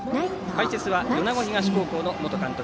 解説は米子東高校の元監督